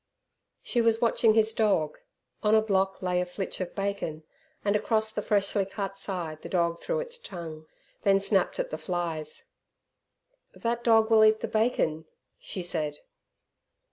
She was watching his dog. On a block lay a flitch of bacon, and across the freshly cut side the dog drew its tongue, then snapped at the flies. "That dog will eat the bacon," she said.